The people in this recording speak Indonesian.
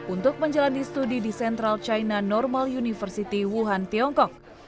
untuk menjalani studi di central china normal university wuhan tiongkok